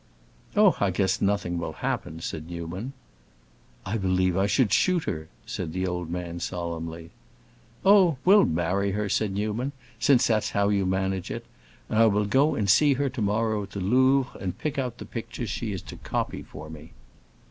"Oh, I guess nothing will happen," said Newman. "I believe I should shoot her!" said the old man, solemnly. "Oh, we'll marry her," said Newman, "since that's how you manage it; and I will go and see her tomorrow at the Louvre and pick out the pictures she is to copy for me."